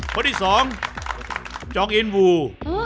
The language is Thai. คนที่สองจองอินวู